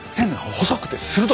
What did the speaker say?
細くて鋭い。